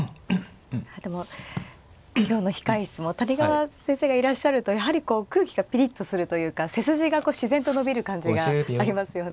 でも今日の控え室も谷川先生がいらっしゃるとやはりこう空気がピリッとするというか背筋が自然と伸びる感じがありますよね。